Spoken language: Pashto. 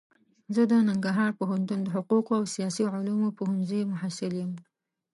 زه د ننګرهار پوهنتون د حقوقو او سیاسي علومو پوهنځي محصل يم.